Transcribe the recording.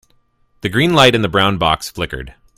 The green light in the brown box flickered.